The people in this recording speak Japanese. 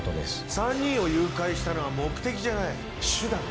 ３人を誘拐したのは目的じゃない手段だ。